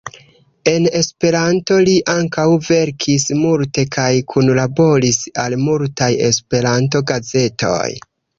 En Esperanto li ankaŭ verkis multe kaj kunlaboris al multaj Esperanto-gazetoj.